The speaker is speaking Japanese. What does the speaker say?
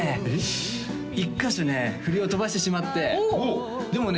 １カ所振りを飛ばしてしまってでもね